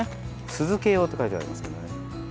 酢漬用って書いてありますけどね。